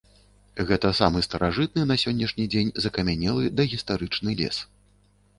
Гэта самы старажытны на сённяшні дзень закамянелы дагістарычны лес.